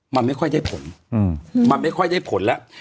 มันไม่ค่อยได้ผลมันไม่ค่อยได้ผลแล้ว